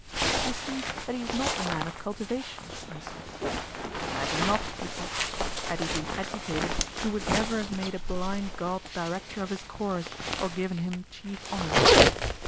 You see that he is not a man of cultivation, I said. I imagine not, he said; had he been educated he would never have made a blind god director of his chorus, or given him chief honour.